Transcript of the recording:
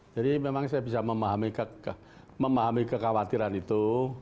jadi memang saya bisa memahami kekhawatiran itu